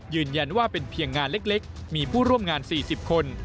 ยืนยันว่าเป็นเพียงงานเล็กมีผู้ร่วมงาน๔๐คน